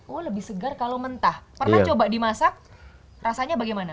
oh lebih segar kalau mentah pernah coba dimasak rasanya bagaimana